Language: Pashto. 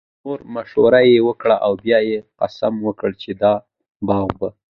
نو مشوره ئي وکړه، او بيا ئي قسم وکړو چې دا باغ به